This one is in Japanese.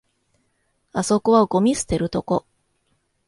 あそこはゴミ捨てるとこ